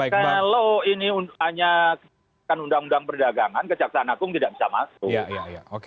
kalau ini hanya undang undang perdagangan kejaksaan agung tidak bisa masuk